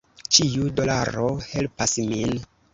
Ĉiu dolaro helpas min.